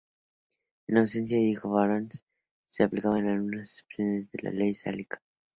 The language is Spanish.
En ausencia de hijo varón, se aplicaba, con algunas excepciones, la ley sálica.